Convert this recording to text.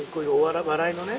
笑いのね。